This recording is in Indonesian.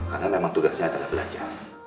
karena memang tugas saya adalah belajar